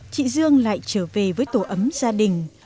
chị dương lại trở về với tổ ấm gia đình